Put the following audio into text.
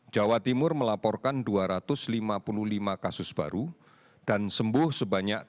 jawa timur melaporkan dua ratus lima puluh lima kasus baru dan sembuh sebanyak tiga ratus delapan puluh tujuh orang